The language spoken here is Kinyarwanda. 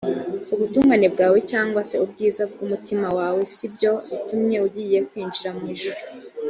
ubutungane bwawe cyangwa se ubwiza bw’umutima wawe si byo bitumye ugiye kwinjira mu ijuru.